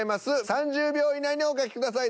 ３０秒以内にお書きください